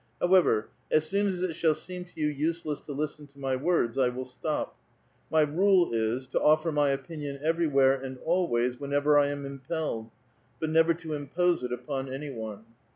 However, as > Proshchtnte, A VITAL QUESTION. 285 eoon as it shall seem to you useless to listen to my words, I "^iil stop ; my rale is, to offer my opinion everywhere and ^ways, whenever I am impelled ; but never to impose it vpon any one."